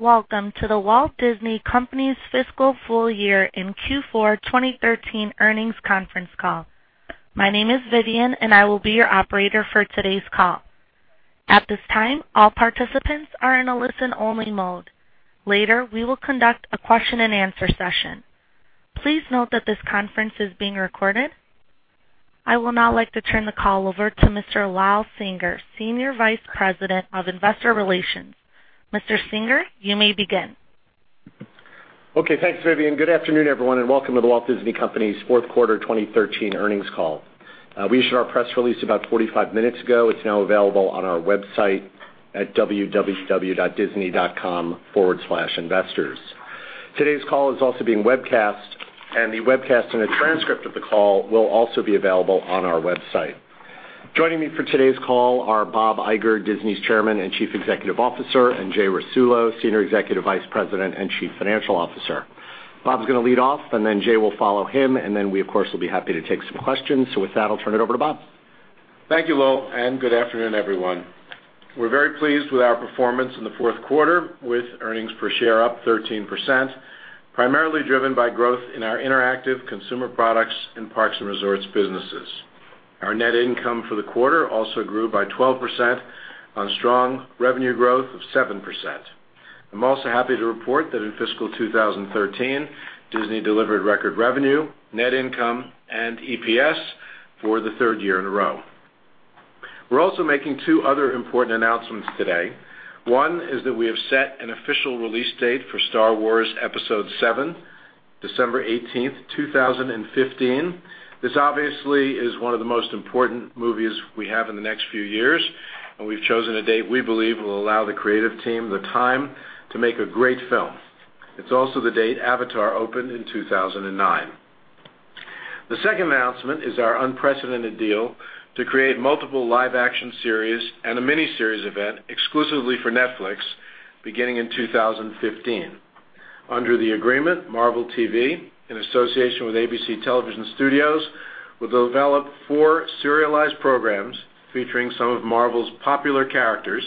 Welcome to The Walt Disney Company's fiscal full year in Q4 2013 earnings conference call. My name is Vivian, and I will be your operator for today's call. At this time, all participants are in a listen-only mode. Later, we will conduct a question-and-answer session. Please note that this conference is being recorded. I would now like to turn the call over to Mr. Lowell Singer, Senior Vice President of Investor Relations. Mr. Singer, you may begin. Okay, thanks, Vivian. Good afternoon, everyone, and welcome to The Walt Disney Company's fourth quarter 2013 earnings call. We issued our press release about 45 minutes ago. It's now available on our website at www.disney.com/investors. Today's call is also being webcast, and the webcast and a transcript of the call will also be available on our website. Joining me for today's call are Bob Iger, Disney's Chairman and Chief Executive Officer, and Jay Rasulo, Senior Executive Vice President and Chief Financial Officer. Bob's going to lead off, and then Jay will follow him, and then we, of course, will be happy to take some questions. With that, I'll turn it over to Bob. Thank you, Lowell, and good afternoon, everyone. We're very pleased with our performance in the fourth quarter, with earnings per share up 13%, primarily driven by growth in our interactive consumer products and parks and resorts businesses. Our net income for the quarter also grew by 12% on strong revenue growth of 7%. I'm also happy to report that in fiscal 2013, Disney delivered record revenue, net income, and EPS for the third year in a row. We're also making two other important announcements today. One is that we have set an official release date for Star Wars: Episode VII, December 18th, 2015. This obviously is one of the most important movies we have in the next few years, and we've chosen a date we believe will allow the creative team the time to make a great film. It's also the date Avatar opened in 2009. The second announcement is our unprecedented deal to create multiple live-action series and a miniseries event exclusively for Netflix beginning in 2015. Under the agreement, Marvel TV, in association with ABC Television Studios, will develop four serialized programs featuring some of Marvel's popular characters: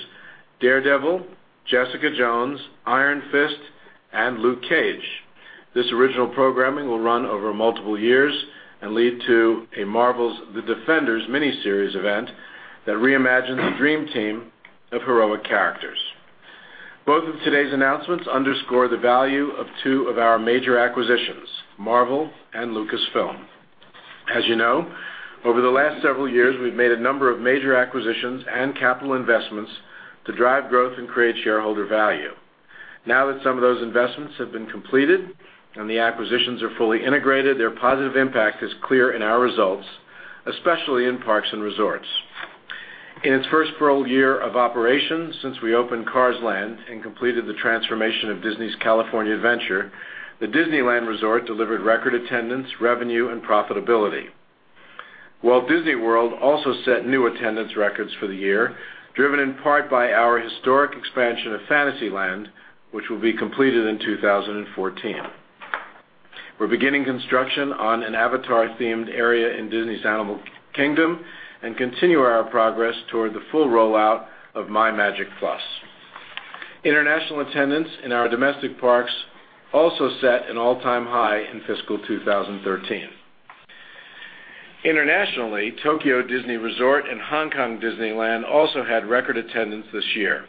Daredevil, Jessica Jones, Iron Fist, and Luke Cage. This original programming will run over multiple years and lead to a Marvel's The Defenders miniseries event that reimagines the dream team of heroic characters. Both of today's announcements underscore the value of two of our major acquisitions, Marvel and Lucasfilm. As you know, over the last several years, we've made a number of major acquisitions and capital investments to drive growth and create shareholder value. Now that some of those investments have been completed and the acquisitions are fully integrated, their positive impact is clear in our results, especially in parks and resorts. In its first full year of operation since we opened Cars Land and completed the transformation of Disney's California Adventure, the Disneyland Resort delivered record attendance, revenue, and profitability. Walt Disney World also set new attendance records for the year, driven in part by our historic expansion of Fantasyland, which will be completed in 2014. We're beginning construction on an Avatar-themed area in Disney's Animal Kingdom and continue our progress toward the full rollout of MyMagic+. International attendance in our domestic parks also set an all-time high in fiscal 2013. Internationally, Tokyo Disney Resort and Hong Kong Disneyland also had record attendance this year.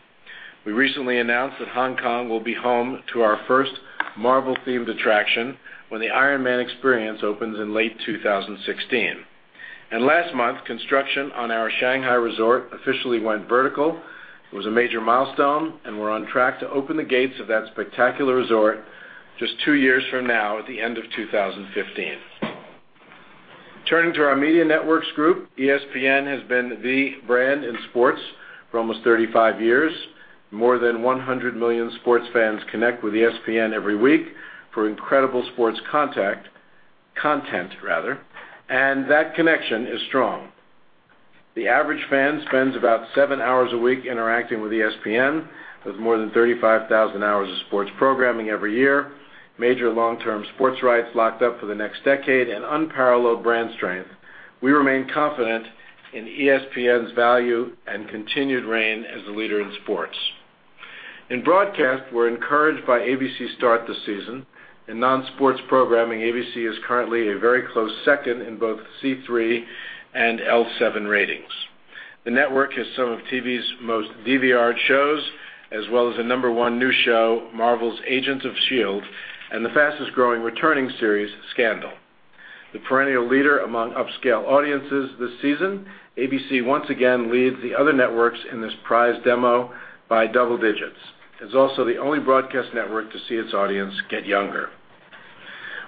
We recently announced that Hong Kong will be home to our first Marvel-themed attraction when the Iron Man Experience opens in late 2016. Last month, construction on our Shanghai Resort officially went vertical. It was a major milestone, and we're on track to open the gates of that spectacular resort just two years from now, at the end of 2015. Turning to our media networks group, ESPN has been the brand in sports for almost 35 years. More than 100 million sports fans connect with ESPN every week for incredible sports content, and that connection is strong. The average fan spends about seven hours a week interacting with ESPN. With more than 35,000 hours of sports programming every year, major long-term sports rights locked up for the next decade, and unparalleled brand strength, we remain confident in ESPN's value and continued reign as the leader in sports. In broadcast, we're encouraged by ABC's start this season. In non-sports programming, ABC is currently a very close second in both C3 and L7 ratings. The network has some of TV's most DVR'd shows as well as the number one new show, Marvel's Agents of S.H.I.E.L.D., and the fastest-growing returning series, Scandal. The perennial leader among upscale audiences this season, ABC once again leads the other networks in this prized demo by double digits. It's also the only broadcast network to see its audience get younger.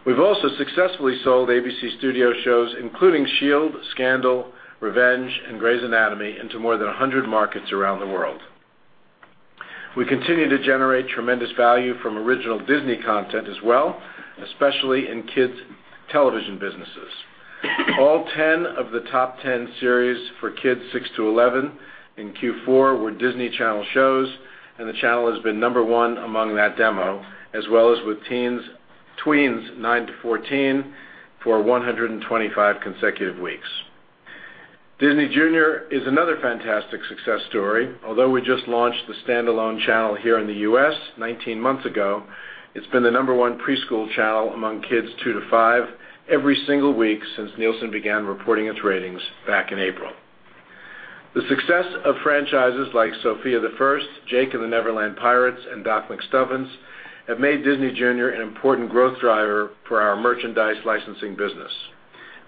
We've also successfully sold ABC Studio shows, including S.H.I.E.L.D., Scandal, Revenge, and Grey's Anatomy into more than 100 markets around the world. We continue to generate tremendous value from original Disney content as well, especially in kids' television businesses. All 10 of the top 10 series for kids 6 to 11 in Q4 were Disney Channel shows, and the channel has been number one among that demo as well as with tweens 9 to 14 for 125 consecutive weeks. Disney Junior is another fantastic success story. Although we just launched the standalone channel here in the U.S. 19 months ago, it's been the number one preschool channel among kids two to five every single week since Nielsen began reporting its ratings back in April. The success of franchises like "Sofia the First," "Jake and the Never Land Pirates," and "Doc McStuffins" have made Disney Junior an important growth driver for our merchandise licensing business.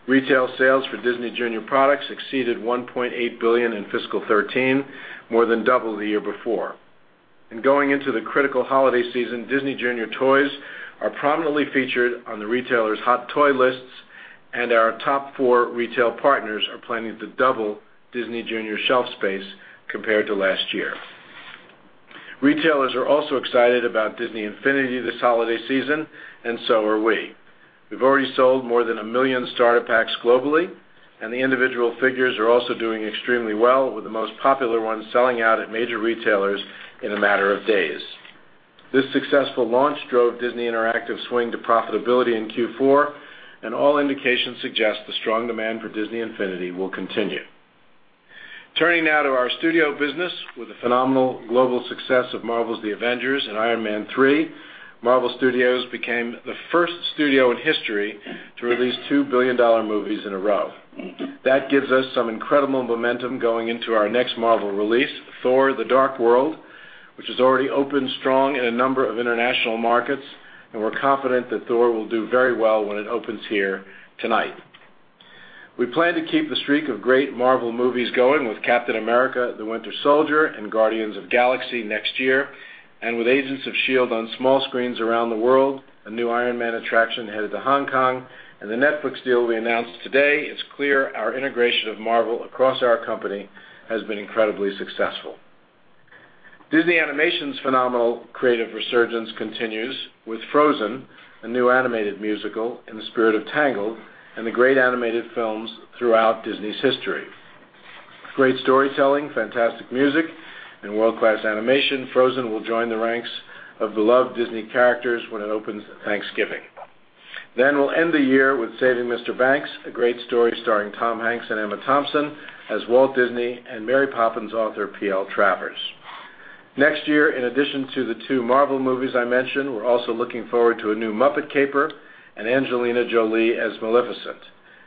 Retail sales for Disney Junior products exceeded $1.8 billion in fiscal 2013, more than double the year before. Going into the critical holiday season, Disney Junior toys are prominently featured on the retailers' hot toy lists, and our top four retail partners are planning to double Disney Junior shelf space compared to last year. Retailers are also excited about Disney Infinity this holiday season, and so are we. We've already sold more than 1 million starter packs globally, and the individual figures are also doing extremely well with the most popular ones selling out at major retailers in a matter of days. This successful launch drove Disney Interactive's swing to profitability in Q4, and all indications suggest the strong demand for Disney Infinity will continue. Turning now to our studio business with the phenomenal global success of Marvel's "The Avengers" and "Iron Man 3," Marvel Studios became the first studio in history to release 2 billion-dollar movies in a row. That gives us some incredible momentum going into our next Marvel release, "Thor: The Dark World" which has already opened strong in a number of international markets. We're confident that Thor will do very well when it opens here tonight. We plan to keep the streak of great Marvel movies going with "Captain America: The Winter Soldier" and "Guardians of the Galaxy" next year. With Agents of S.H.I.E.L.D. on small screens around the world, a new Iron Man Experience headed to Hong Kong, and the Netflix deal we announced today, it's clear our integration of Marvel across our company has been incredibly successful. Disney Animation's phenomenal creative resurgence continues with Frozen, a new animated musical in the spirit of Tangled, and the great animated films throughout Disney's history. Great storytelling, fantastic music, and world-class animation, Frozen will join the ranks of beloved Disney characters when it opens Thanksgiving. We'll end the year with "Saving Mr. Banks," a great story starring Tom Hanks and Emma Thompson as Walt Disney and Mary Poppins' author P.L. Travers. Next year, in addition to the 2 Marvel movies I mentioned, we're also looking forward to a new Muppet caper and Angelina Jolie as Maleficent.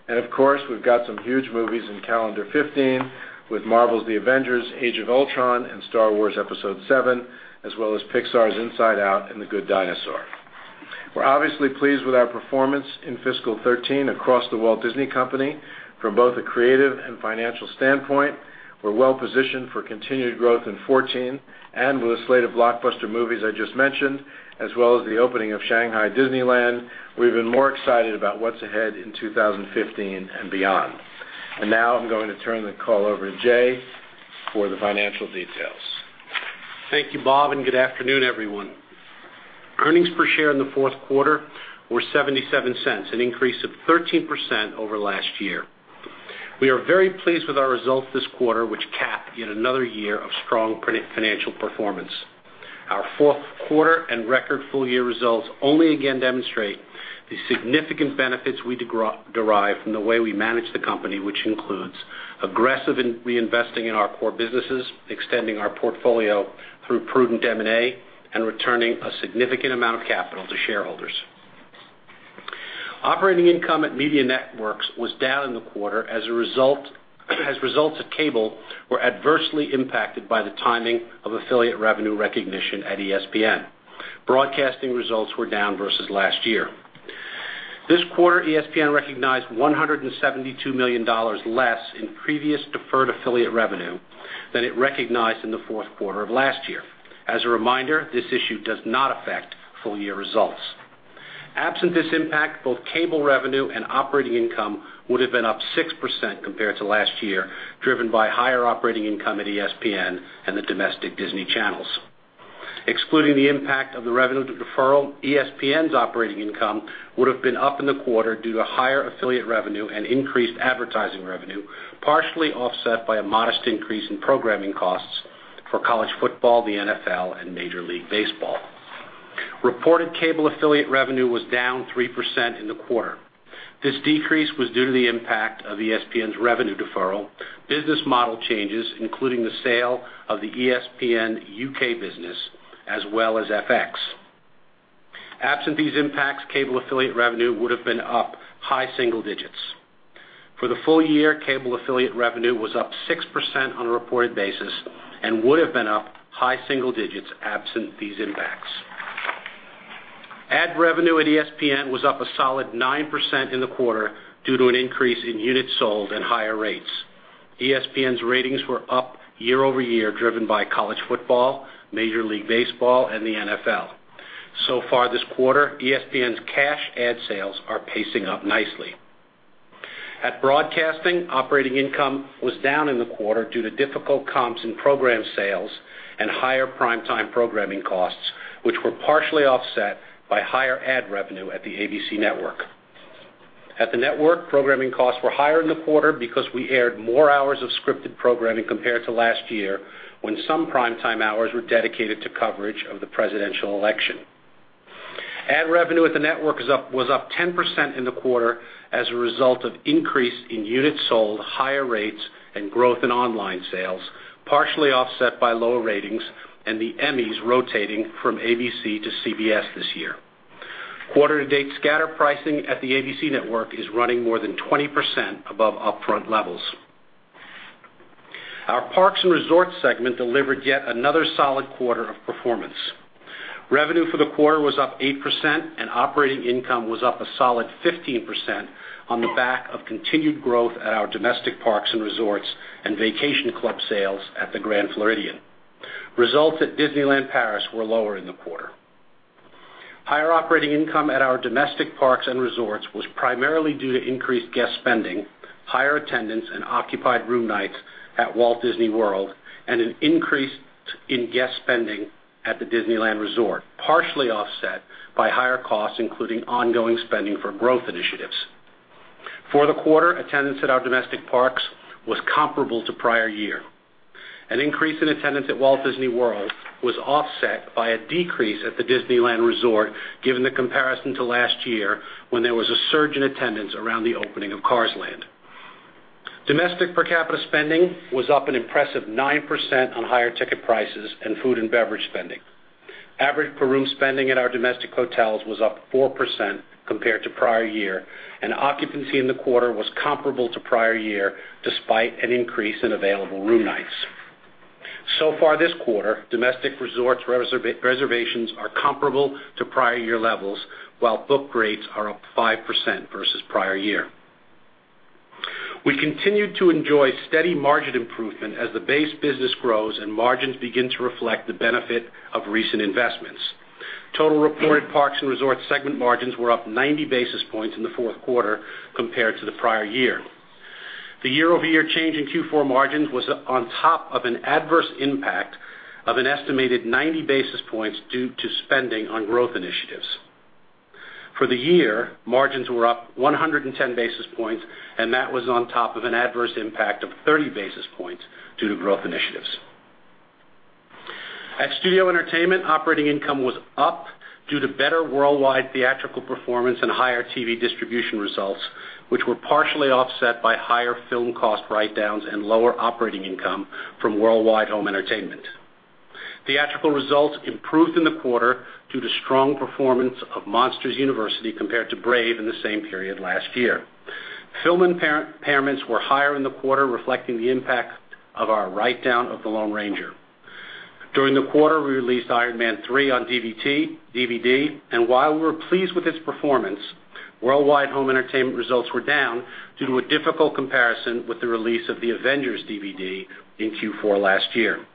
Of course, we've got some huge movies in calendar 2015 with Marvel's "The Avengers: Age of Ultron" and "Star Wars Episode VII," as well as Pixar's "Inside Out" and "The Good Dinosaur." We're obviously pleased with our performance in fiscal 2013 across The Walt Disney Company from both a creative and financial standpoint. We're well-positioned for continued growth in 2014 and with a slate of blockbuster movies I just mentioned, as well as the opening of Shanghai Disneyland, we've been more excited about what's ahead in 2015 and beyond. Now I'm going to turn the call over to Jay for the financial details. Thank you, Bob. Good afternoon, everyone. Earnings per share in the fourth quarter were $0.77, an increase of 13% over last year. We are very pleased with our results this quarter, which cap yet another year of strong financial performance. Our fourth quarter and record full-year results only again demonstrate the significant benefits we derive from the way we manage the company, which includes aggressive reinvesting in our core businesses, extending our portfolio through prudent M&A, and returning a significant amount of capital to shareholders. Operating income at Media Networks was down in the quarter as results at Cable were adversely impacted by the timing of affiliate revenue recognition at ESPN. Broadcasting results were down versus last year. This quarter, ESPN recognized $172 million less in previous deferred affiliate revenue than it recognized in the fourth quarter of last year. As a reminder, this issue does not affect full-year results. Absent this impact, both cable revenue and operating income would have been up 6% compared to last year, driven by higher operating income at ESPN and the domestic Disney channels. Excluding the impact of the revenue deferral, ESPN's operating income would have been up in the quarter due to higher affiliate revenue and increased advertising revenue, partially offset by a modest increase in programming costs for college football, the NFL, and Major League Baseball. Reported cable affiliate revenue was down 3% in the quarter. This decrease was due to the impact of ESPN's revenue deferral, business model changes, including the sale of the ESPN UK business, as well as FX. Absent these impacts, cable affiliate revenue would have been up high single digits. For the full year, cable affiliate revenue was up 6% on a reported basis and would have been up high single digits absent these impacts. Ad revenue at ESPN was up a solid 9% in the quarter due to an increase in units sold and higher rates. ESPN's ratings were up year-over-year, driven by college football, Major League Baseball, and the NFL. So far this quarter, ESPN's cash ad sales are pacing up nicely. At broadcasting, operating income was down in the quarter due to difficult comps in program sales and higher prime-time programming costs, which were partially offset by higher ad revenue at the ABC network. At the network, programming costs were higher in the quarter because we aired more hours of scripted programming compared to last year when some prime-time hours were dedicated to coverage of the presidential election. Ad revenue at the network was up 10% in the quarter as a result of increase in units sold, higher rates, and growth in online sales, partially offset by lower ratings and the Emmys rotating from ABC to CBS this year. Quarter-to-date scatter pricing at the ABC network is running more than 20% above upfront levels. Our Parks and Resorts segment delivered yet another solid quarter of performance. Revenue for the quarter was up 8%, and operating income was up a solid 15% on the back of continued growth at our domestic parks and resorts and vacation club sales at the Grand Floridian. Results at Disneyland Paris were lower in the quarter. Higher operating income at our domestic parks and resorts was primarily due to increased guest spending, higher attendance, and occupied room nights at Walt Disney World, and an increase in guest spending at the Disneyland Resort, partially offset by higher costs, including ongoing spending for growth initiatives. For the quarter, attendance at our domestic parks was comparable to prior year. An increase in attendance at Walt Disney World was offset by a decrease at the Disneyland Resort, given the comparison to last year, when there was a surge in attendance around the opening of Cars Land. Domestic per capita spending was up an impressive 9% on higher ticket prices and food and beverage spending. Average per-room spending at our domestic hotels was up 4% compared to prior year, and occupancy in the quarter was comparable to prior year, despite an increase in available room nights. This quarter, domestic resorts reservations are comparable to prior year levels, while book rates are up 5% versus prior year. We continued to enjoy steady margin improvement as the base business grows and margins begin to reflect the benefit of recent investments. Total reported parks and resorts segment margins were up 90 basis points in the fourth quarter compared to the prior year. The year-over-year change in Q4 margins was on top of an adverse impact of an estimated 90 basis points due to spending on growth initiatives. For the year, margins were up 110 basis points, and that was on top of an adverse impact of 30 basis points due to growth initiatives. At Studio Entertainment, operating income was up due to better worldwide theatrical performance and higher TV distribution results, which were partially offset by higher film cost write-downs and lower operating income from Worldwide Home Entertainment. Theatrical results improved in the quarter due to strong performance of Monsters University compared to Brave in the same period last year. Film impairments were higher in the quarter, reflecting the impact of our write-down of The Lone Ranger. During the quarter, we released Iron Man 3 on DVD, and while we were pleased with its performance, Worldwide Home Entertainment results were down due to a difficult comparison with the release of The Avengers DVD in Q4 last year.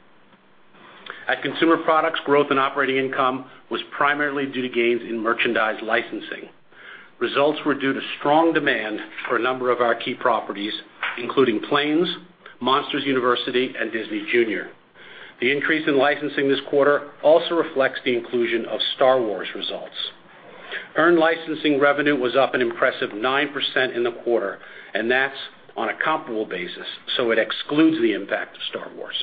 At Consumer Products, growth in operating income was primarily due to gains in merchandise licensing. Results were due to strong demand for a number of our key properties, including Planes, Monsters University, and Disney Junior. The increase in licensing this quarter also reflects the inclusion of Star Wars results. Earned licensing revenue was up an impressive 9% in the quarter, and that's on a comparable basis, so it excludes the impact of Star Wars.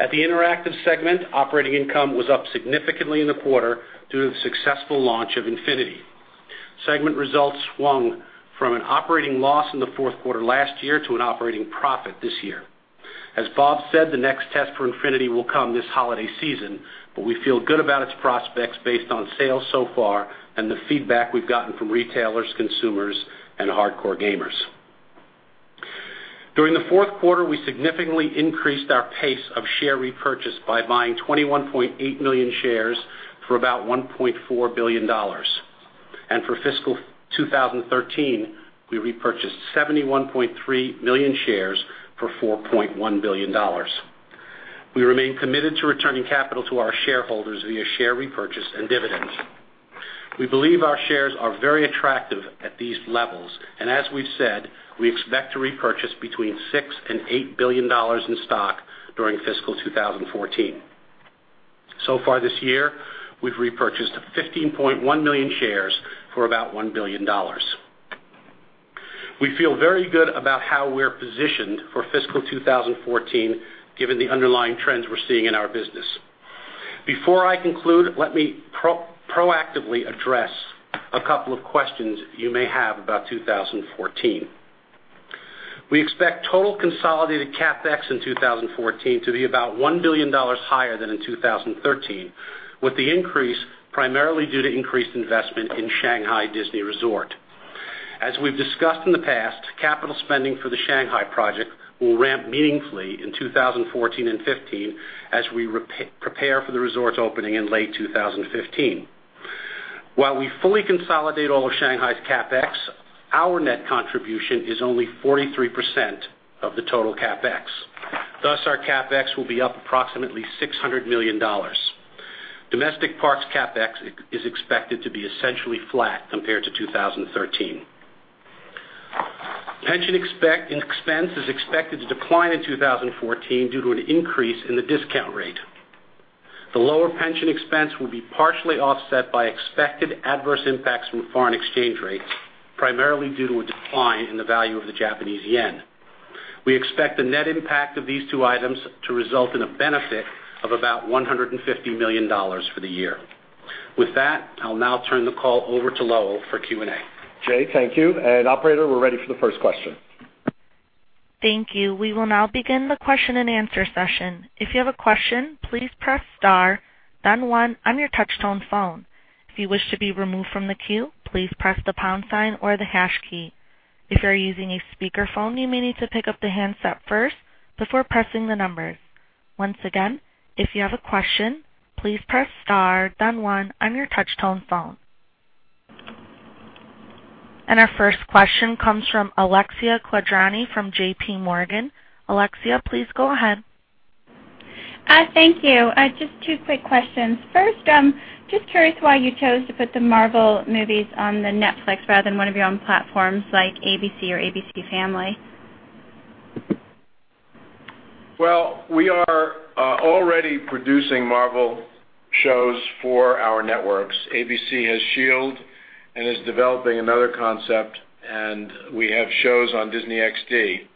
At the Interactive segment, operating income was up significantly in the quarter due to the successful launch of Infinity. Segment results swung from an operating loss in the fourth quarter last year to an operating profit this year. As Bob said, the next test for Infinity will come this holiday season, but we feel good about its prospects based on sales so far and the feedback we've gotten from retailers, consumers, and hardcore gamers. During the fourth quarter, we significantly increased our pace of share repurchase by buying 21.8 million shares for about $1.4 billion. For fiscal 2013, we repurchased 71.3 million shares for $4.1 billion. We remain committed to returning capital to our shareholders via share repurchase and dividends. We believe our shares are very attractive at these levels, and as we've said, we expect to repurchase between $6 billion and $8 billion in stock during fiscal 2014. This year, we've repurchased 15.1 million shares for about $1 billion. We feel very good about how we're positioned for fiscal 2014, given the underlying trends we're seeing in our business. Before I conclude, let me proactively address a couple of questions you may have about 2014. We expect total consolidated CapEx in 2014 to be about $1 billion higher than in 2013, with the increase primarily due to increased investment in Shanghai Disney Resort. As we've discussed in the past, capital spending for the Shanghai project will ramp meaningfully in 2014 and 2015 as we prepare for the resort's opening in late 2015. While we fully consolidate all of Shanghai's CapEx, our net contribution is only 43% of the total CapEx. Thus, our CapEx will be up approximately $600 million. Domestic parks CapEx is expected to be essentially flat compared to 2013. Pension expense is expected to decline in 2014 due to an increase in the discount rate. The lower pension expense will be partially offset by expected adverse impacts from foreign exchange rates, primarily due to a decline in the value of the Japanese yen. We expect the net impact of these two items to result in a benefit of about $150 million for the year. With that, I'll now turn the call over to Lowell for Q&A. Jay, thank you. Operator, we're ready for the first question. Thank you. We will now begin the question and answer session. If you have a question, please press star then one on your touch-tone phone. If you wish to be removed from the queue, please press the pound sign or the hash key. If you are using a speakerphone, you may need to pick up the handset first before pressing the numbers. Once again, if you have a question, please press star then one on your touch-tone phone. Our first question comes from Alexia Quadrani from J.P. Morgan. Alexia, please go ahead. Hi, thank you. Just two quick questions. First, just curious why you chose to put the Marvel movies on the Netflix rather than one of your own platforms like ABC or ABC Family. Well, we are already producing Marvel shows for our networks. ABC has S.H.I.E.L.D. and is developing another concept, we have shows on Disney XD.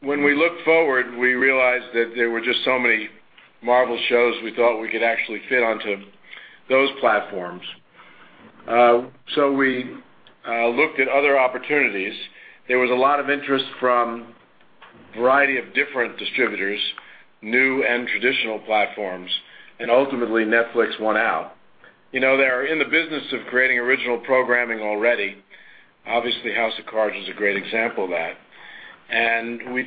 When we looked forward, we realized that there were just so many Marvel shows we thought we could actually fit onto those platforms. We looked at other opportunities. There was a lot of interest from a variety of different distributors, new and traditional platforms, ultimately Netflix won out. They are in the business of creating original programming already. Obviously, House of Cards is a great example of that. We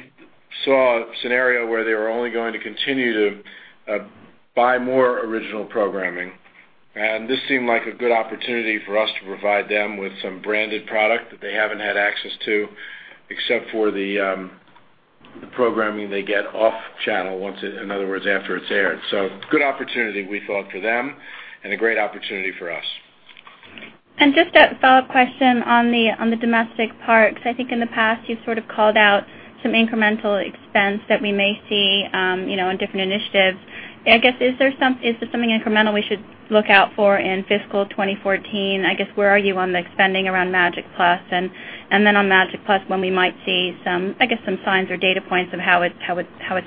saw a scenario where they were only going to continue to buy more original programming, and this seemed like a good opportunity for us to provide them with some branded product that they haven't had access to, except for the programming they get off channel, in other words, after it's aired. Good opportunity, we thought, for them and a great opportunity for us. Just a follow-up question on the domestic parks. I think in the past, you've sort of called out some incremental expense that we may see in different initiatives. I guess, is there something incremental we should look out for in fiscal 2014? I guess, where are you on the spending around MyMagic+? On MyMagic+, when we might see some, I guess, some signs or data points of how it's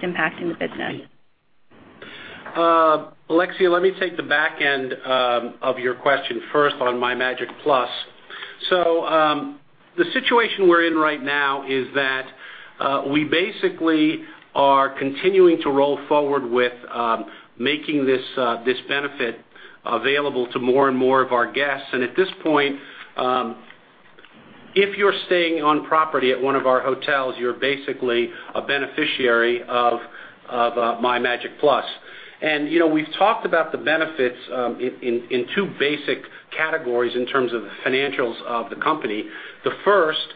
impacting the business. Alexia, let me take the back end of your question first on MyMagic+. The situation we're in right now is that we basically are continuing to roll forward with making this benefit available to more and more of our guests. At this point, if you're staying on property at one of our hotels, you're basically a beneficiary of MyMagic+. We've talked about the benefits in two basic categories in terms of the financials of the company. The first,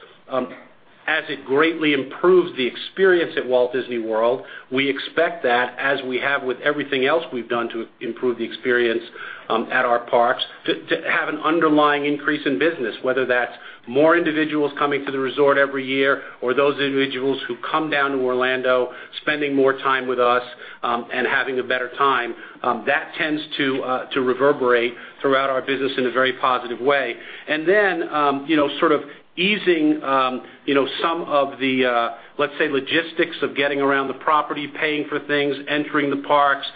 as it greatly improves the experience at Walt Disney World, we expect that as we have with everything else we've done to improve the experience at our parks, to have an underlying increase in business, whether that's more individuals coming to the resort every year or those individuals who come down to Orlando spending more time with us and having a better time. That tends to reverberate throughout our business in a very positive way. Easing some of the, let's say, logistics of getting around the property, paying for things, entering the parks,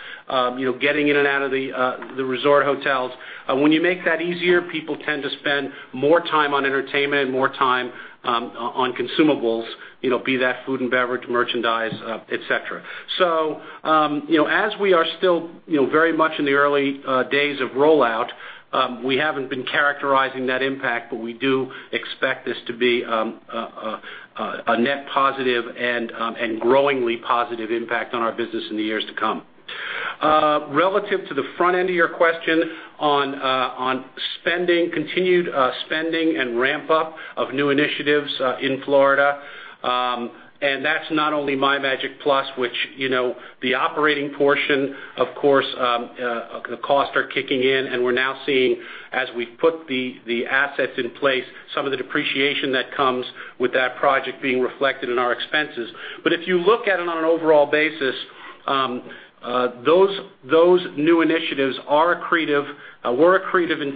getting in and out of the resort hotels. When you make that easier, people tend to spend more time on entertainment, more time on consumables, be that food and beverage, merchandise, et cetera. As we are still very much in the early days of rollout, we haven't been characterizing that impact, but we do expect this to be a net positive and growingly positive impact on our business in the years to come. Relative to the front end of your question on continued spending and ramp-up of new initiatives in Florida, that's not only MyMagic+, which the operating portion, of course, the costs are kicking in, and we're now seeing as we put the assets in place, some of the depreciation that comes with that project being reflected in our expenses. If you look at it on an overall basis, those new initiatives were accretive in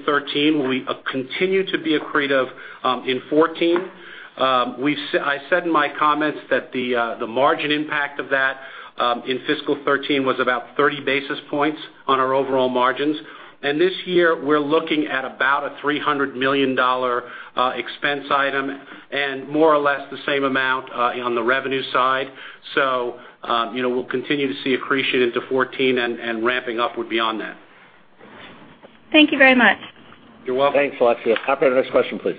2013, will continue to be accretive in 2014. I said in my comments that the margin impact of that in fiscal 2013 was about 30 basis points on our overall margins. This year, we're looking at about a $300 million expense item and more or less the same amount on the revenue side. We'll continue to see accretion into 2014 and ramping up would be on that. Thank you very much. You're welcome. Thanks, Alexia. Operator, next question, please.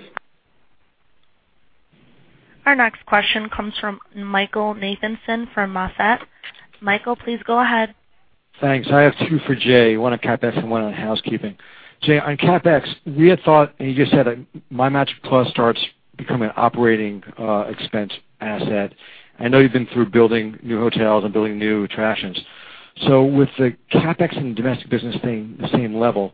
Our next question comes from Michael Nathanson from MoffettNathanson. Michael, please go ahead. Thanks. I have two for Jay, one on CapEx and one on housekeeping. Jay, on CapEx, we had thought, and you just said that MyMagic+ starts becoming an operating expense asset. I know you've been through building new hotels and building new attractions. With the CapEx and domestic business staying the same level,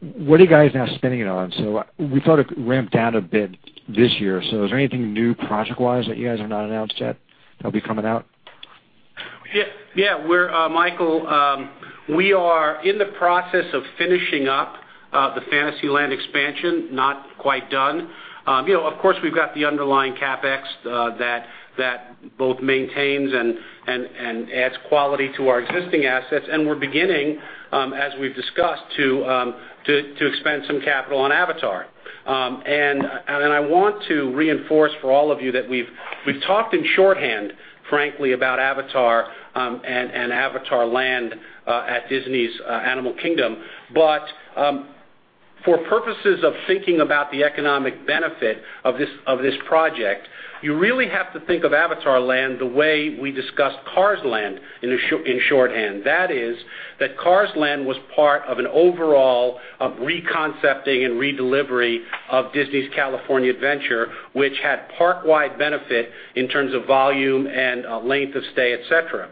what are you guys now spending it on? We thought it ramped down a bit this year. Is there anything new project-wise that you guys have not announced yet that'll be coming out? Yeah, Michael, we are in the process of finishing up the Fantasyland expansion, not quite done. Of course, we've got the underlying CapEx that both maintains and adds quality to our existing assets. We're beginning, as we've discussed, to expend some capital on Avatar. I want to reinforce for all of you that we've talked in shorthand, frankly, about Avatar and Avatar Land at Disney's Animal Kingdom. For purposes of thinking about the economic benefit of this project, you really have to think of Avatar Land the way we discussed Cars Land in shorthand. That is, that Cars Land was part of an overall reconcepting and redelivery of Disney's California Adventure, which had park-wide benefit in terms of volume and length of stay, et cetera.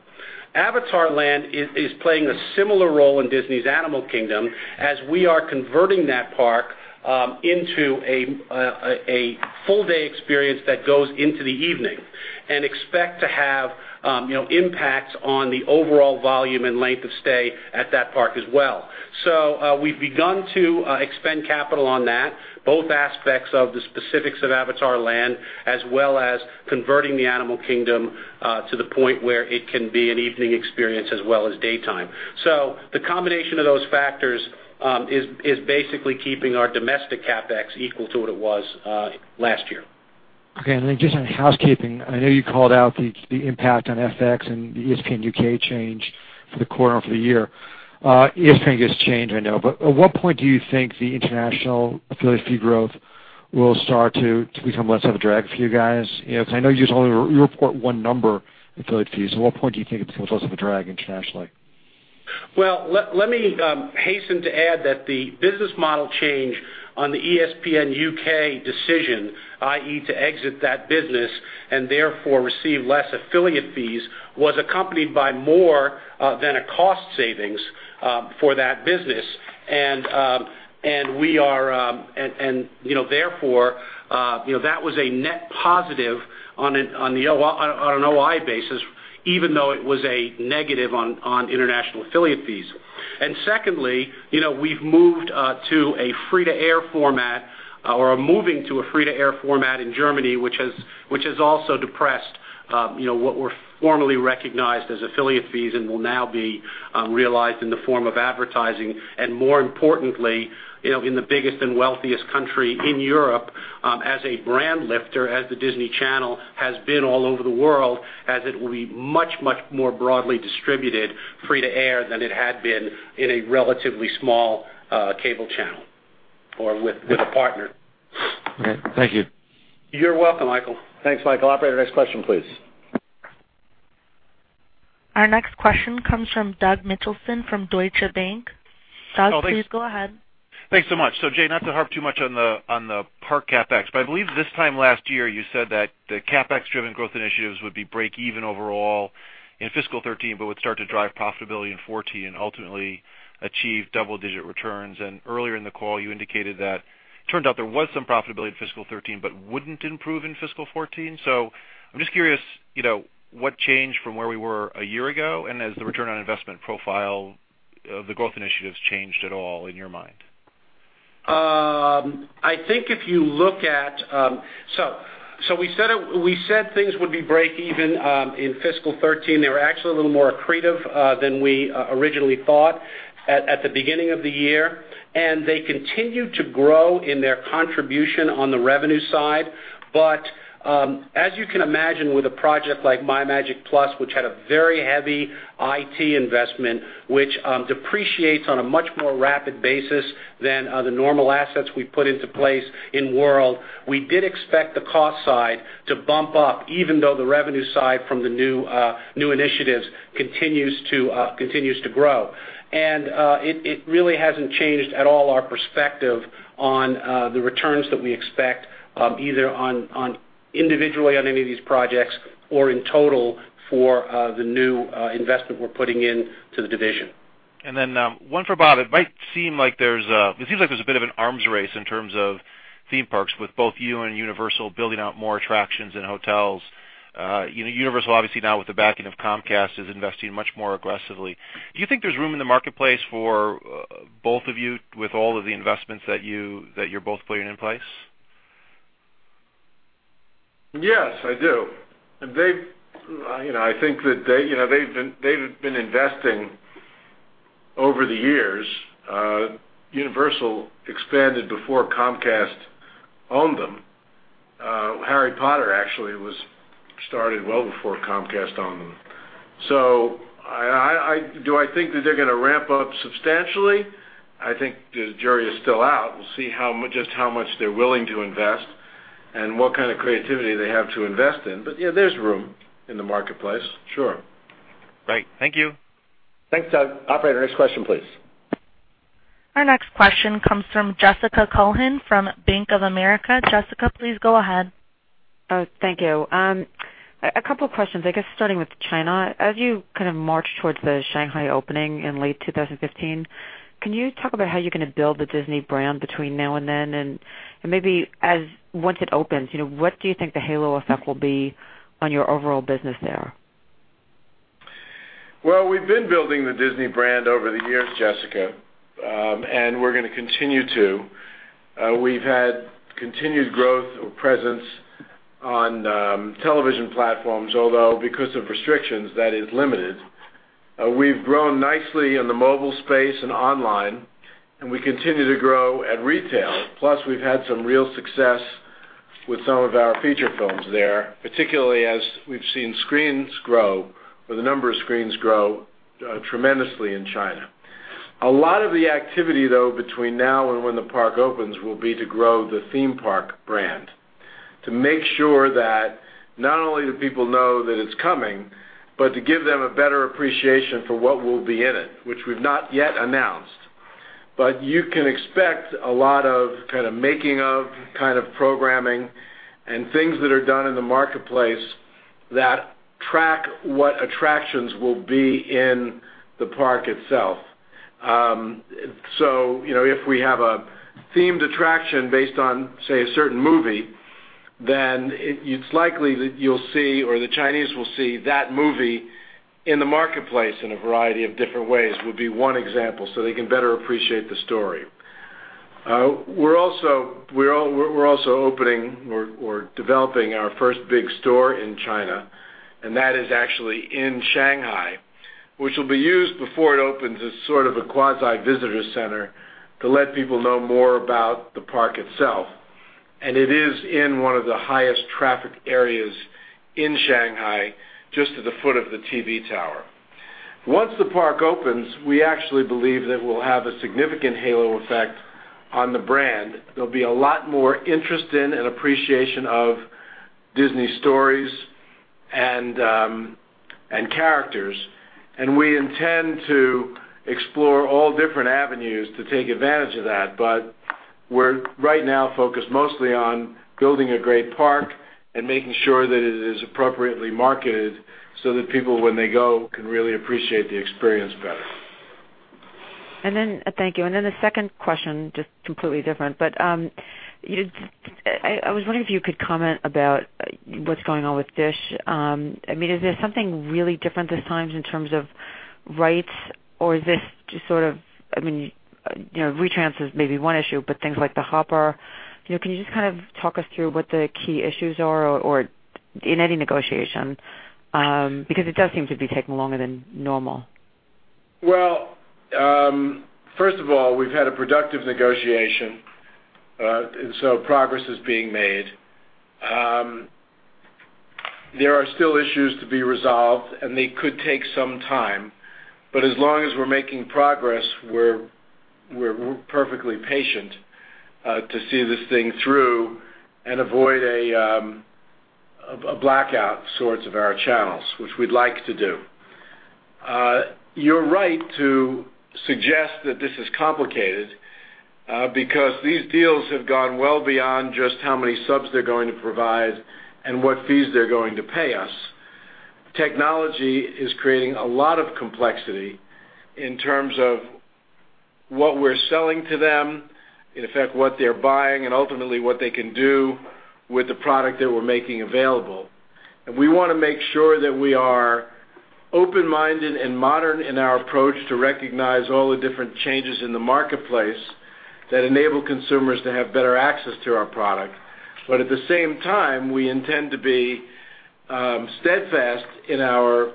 Avatar Land is playing a similar role in Disney's Animal Kingdom as we are converting that park into a full-day experience that goes into the evening and expect to have impacts on the overall volume and length of stay at that park as well. We've begun to expend capital on that, both aspects of the specifics of Avatar Land, as well as converting the Animal Kingdom to the point where it can be an evening experience as well as daytime. The combination of those factors is basically keeping our domestic CapEx equal to what it was last year. Okay, just on housekeeping, I know you called out the impact on FX and the ESPN UK change for the quarter and for the year. ESPN gets changed, I know, at what point do you think the international affiliate fee growth will start to become less of a drag for you guys? I know you report one number affiliate fees. At what point do you think it becomes less of a drag internationally? Well, let me hasten to add that the business model change on the ESPN UK decision, i.e., to exit that business and therefore receive less affiliate fees, was accompanied by more than a cost savings for that business. Therefore, that was a net positive on an OI basis, even though it was a negative on international affiliate fees. Secondly, we've moved to a free-to-air format, or are moving to a free-to-air format in Germany, which has also depressed what were formally recognized as affiliate fees and will now be realized in the form of advertising. More importantly, in the biggest and wealthiest country in Europe, as a brand lifter, as the Disney Channel has been all over the world, as it will be much, much more broadly distributed free-to-air than it had been in a relatively small cable channel or with a partner. Okay. Thank you. You're welcome, Michael. Thanks, Michael. Operator, next question, please. Our next question comes from Doug Mitchelson from Deutsche Bank. Doug, please go ahead. Thanks so much. Jay, not to harp too much on the park CapEx, I believe this time last year you said that the CapEx-driven growth initiatives would be break even overall in fiscal 2013, would start to drive profitability in 2014 and ultimately achieve double-digit returns. Earlier in the call, you indicated that it turned out there was some profitability in fiscal 2013, wouldn't improve in fiscal 2014. I'm just curious, what changed from where we were a year ago? Has the return on investment profile of the growth initiatives changed at all in your mind? We said things would be break even in fiscal 2013. They were actually a little more accretive than we originally thought at the beginning of the year. They continued to grow in their contribution on the revenue side. As you can imagine with a project like MyMagic+, which had a very heavy IT investment, which depreciates on a much more rapid basis than the normal assets we put into place in World, we did expect the cost side to bump up, even though the revenue side from the new initiatives continues to grow. It really hasn't changed at all our perspective on the returns that we expect, either individually on any of these projects or in total for the new investment we're putting into the division. One for Bob. It seems like there's a bit of an arms race in terms of theme parks with both you and Universal building out more attractions and hotels. Universal, obviously now with the backing of Comcast, is investing much more aggressively. Do you think there's room in the marketplace for both of you with all of the investments that you're both putting in place? Yes, I do. I think that they've been investing over the years. Universal expanded before Comcast owned them. Harry Potter actually was started well before Comcast owned them. Do I think that they're going to ramp up substantially? I think the jury is still out. We'll see just how much they're willing to invest and what kind of creativity they have to invest in. Yeah, there's room in the marketplace, sure. Right. Thank you. Thanks, Doug. Operator, next question, please. Our next question comes from Jessica Cohen from Bank of America. Jessica, please go ahead. Thank you. A couple of questions, I guess, starting with China. As you kind of march towards the Shanghai opening in late 2015, can you talk about how you're going to build the Disney brand between now and then? Maybe once it opens, what do you think the halo effect will be on your overall business there? Well, we've been building the Disney brand over the years, Jessica, and we're going to continue to. We've had continued growth or presence on television platforms, although because of restrictions, that is limited. We've grown nicely in the mobile space and online, and we continue to grow at retail. Plus, we've had some real success with some of our feature films there, particularly as we've seen the number of screens grow tremendously in China. A lot of the activity, though, between now and when the park opens will be to grow the theme park brand. To make sure that not only do people know that it's coming, but to give them a better appreciation for what will be in it, which we've not yet announced. You can expect a lot of making of programming and things that are done in the marketplace that track what attractions will be in the park itself. If we have a themed attraction based on, say, a certain movie, then it's likely that you'll see or the Chinese will see that movie in the marketplace in a variety of different ways, would be one example, so they can better appreciate the story. We're also opening or developing our first big store in China, and that is actually in Shanghai, which will be used before it opens as sort of a quasi visitor center to let people know more about the park itself, and it is in one of the highest traffic areas in Shanghai, just to the foot of the TV tower. Once the park opens, we actually believe that we'll have a significant halo effect on the brand. There'll be a lot more interest in and appreciation of Disney stories and characters, and we intend to explore all different avenues to take advantage of that. We're right now focused mostly on building a great park and making sure that it is appropriately marketed so that people, when they go, can really appreciate the experience better. Thank you. Then the second question, just completely different, but I was wondering if you could comment about what's going on with DISH. Is there something really different this time in terms of rights, or is this just retrans is maybe one issue, but things like the Hopper. Can you just talk us through what the key issues are or in any negotiation, because it does seem to be taking longer than normal. First of all, we've had a productive negotiation, progress is being made. There are still issues to be resolved, and they could take some time, but as long as we're making progress, we're perfectly patient to see this thing through and avoid a blackout sorts of our channels, which we'd like to do. You're right to suggest that this is complicated, because these deals have gone well beyond just how many subs they're going to provide and what fees they're going to pay us. Technology is creating a lot of complexity in terms of what we're selling to them, in effect, what they're buying, and ultimately what they can do with the product that we're making available. We want to make sure that we are open-minded and modern in our approach to recognize all the different changes in the marketplace that enable consumers to have better access to our product. At the same time, we intend to be steadfast in our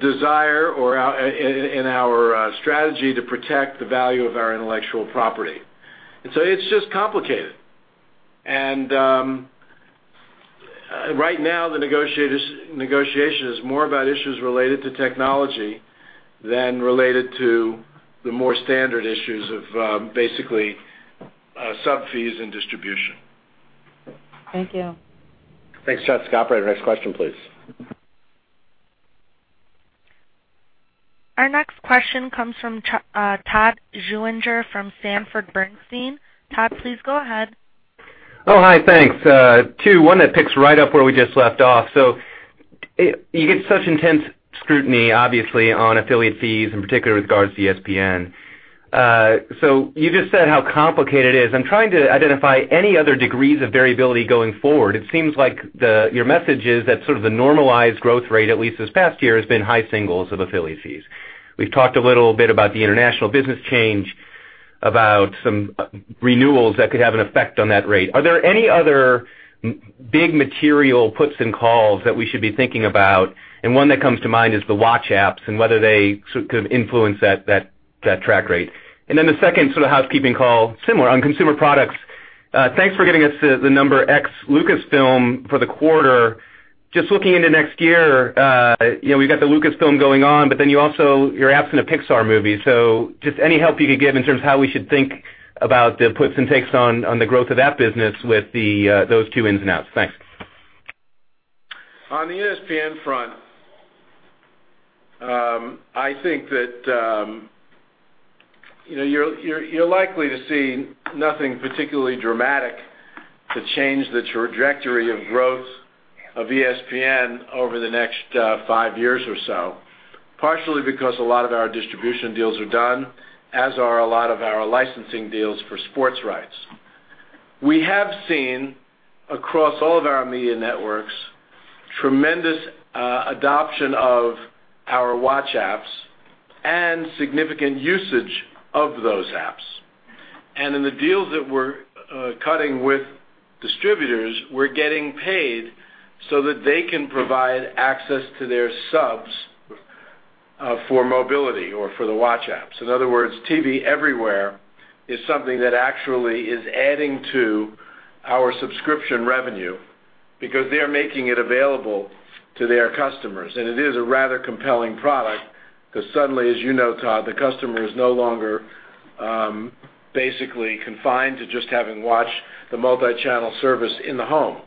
desire or in our strategy to protect the value of our intellectual property. It's just complicated. Right now, the negotiation is more about issues related to technology than related to the more standard issues of basically sub fees and distribution. Thank you. Thanks, Jessica. Operator, next question, please. Our next question comes from Todd Juenger from Sanford Bernstein. Todd, please go ahead. Oh, hi. Thanks. Two, one that picks right up where we just left off. You get such intense scrutiny, obviously, on affiliate fees, in particular with regards to ESPN. You just said how complicated it is. I'm trying to identify any other degrees of variability going forward. It seems like your message is that sort of the normalized growth rate, at least this past year, has been high singles of affiliate fees. We've talked a little bit about the international business change, about some renewals that could have an effect on that rate. Are there any other big material puts and calls that we should be thinking about? One that comes to mind is the watch apps and whether they could influence that track rate. The second sort of housekeeping call, similar on consumer products. Thanks for giving us the number X Lucasfilm for the quarter. Just looking into next year, we've got the Lucasfilm going on, but then you also are absent a Pixar movie. Just any help you could give in terms of how we should think about the puts and takes on the growth of that business with those two ins and outs? Thanks. On the ESPN front, I think that you're likely to see nothing particularly dramatic to change the trajectory of growth of ESPN over the next five years or so, partially because a lot of our distribution deals are done, as are a lot of our licensing deals for sports rights. We have seen, across all of our media networks, tremendous adoption of our watch apps and significant usage of those apps. In the deals that we're cutting with distributors, we're getting paid so that they can provide access to their subs for mobility or for the watch apps. In other words, TV Everywhere is something that actually is adding to our subscription revenue because they're making it available to their customers. It is a rather compelling product because suddenly, as you know, Todd, the customer is no longer basically confined to just having watched the multi-channel service in the home.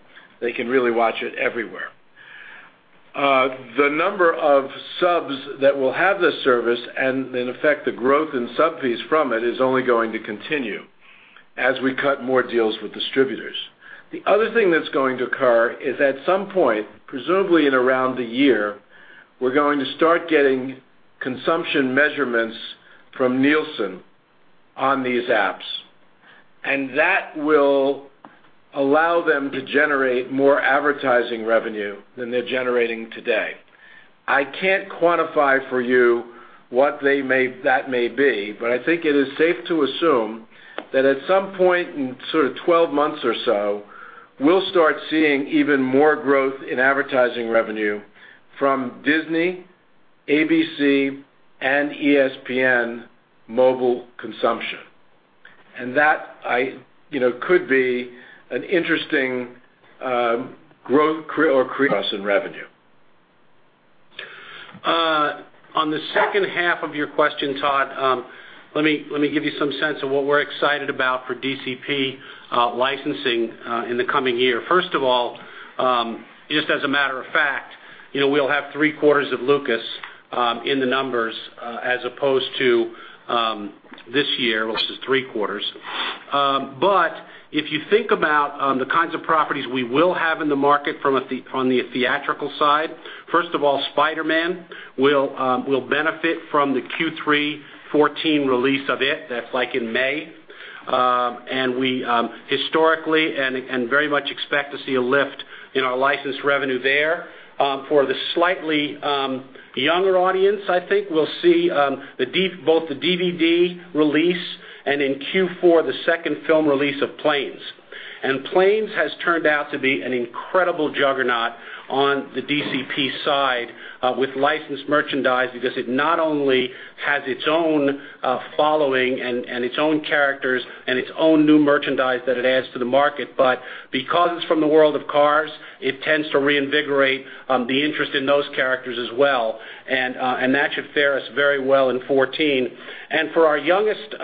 They can really watch it everywhere. The number of subs that will have this service, and in effect, the growth in sub fees from it, is only going to continue as we cut more deals with distributors. The other thing that's going to occur is at some point, presumably in around a year, we're going to start getting consumption measurements from Nielsen on these apps, and that will allow them to generate more advertising revenue than they're generating today. I can't quantify for you what that may be, but I think it is safe to assume that at some point in sort of 12 months or so, we'll start seeing even more growth in advertising revenue from Disney, ABC, and ESPN mobile consumption. That could be an interesting growth or increase in revenue. On the second half of your question, Todd, let me give you some sense of what we're excited about for DCP licensing in the coming year. First of all, just as a matter of fact, we'll have three quarters of Lucas in the numbers as opposed to this year, which is three quarters. If you think about the kinds of properties we will have in the market on the theatrical side, first of all, Spider-Man will benefit from the Q3'14 release of it. That's in May. We historically and very much expect to see a lift in our licensed revenue there. For the slightly younger audience, I think we'll see both the DVD release and in Q4, the second film release of Planes. Planes has turned out to be an incredible juggernaut on the DCP side with licensed merchandise because it not only has its own following and its own characters and its own new merchandise that it adds to the market, but because it's from the world of Cars, it tends to reinvigorate the interest in those characters as well. That should fare us very well in '14. For our youngest